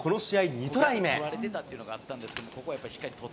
２トライ目。